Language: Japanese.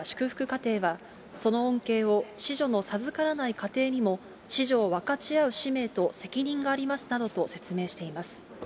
家庭は、その恩恵を子女の授からない家庭にも、子女を分かち合う使命と責任がありますなどと説明しています。